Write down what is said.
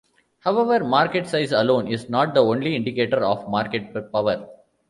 However, market size alone is not the only indicator of market power.